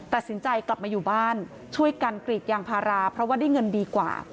ตัดสินใจกลับมาอยู่บ้านช่วยกันกรีดยางพาราเพราะว่าได้เงินดีกว่า